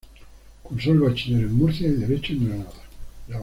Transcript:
Cursó el Bachiller en Murcia y Derecho en Granada.